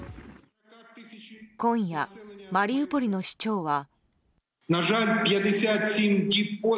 今夜、マリウポリの市長は。